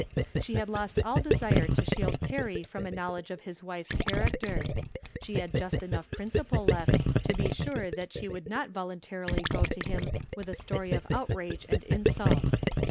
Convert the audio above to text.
She had lost all desire to shield Perry from a knowledge of his wife's character. She had just enough principle left to be sure that she would not voluntarily go to him with a story of outrage and insult.